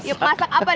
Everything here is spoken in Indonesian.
yuk masak apa